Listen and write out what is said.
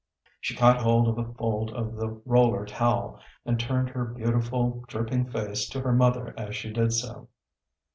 She caught hold of a fold of the roller towel, and turned her beautiful, dripping face to her mother as she did so.